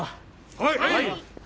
はい！